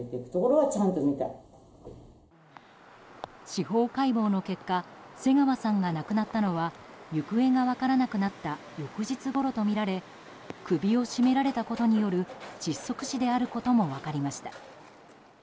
司法解剖の結果瀬川さんが亡くなったのは行方が分からなくなった翌日ごろとみられ首を絞められたことによる窒息死であることも分かりました。